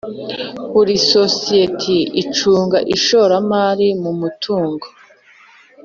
Buri sosiyete icunga ishoramari mu mutungo